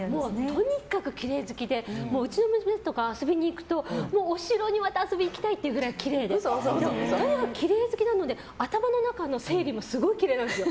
とにかくきれい好きで、うちに遊びに行くと、もうお城にまた遊びに行きたいって言うくらいとにかくきれい好きなので頭の中の整理もすごいきれいなんですよ。